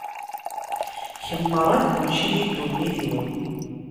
Kemm merra i d kulci di ddunit-iw.